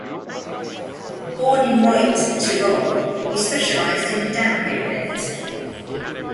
Born in Reutte, Tyrol, he specialized in the downhill event.